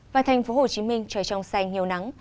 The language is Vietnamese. và thành phố hồ chí minh trời trong xanh nhiều nắng